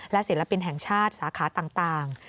ศิลปินแห่งชาติสาขาต่าง